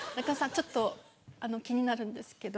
ちょっと気になるんですけど。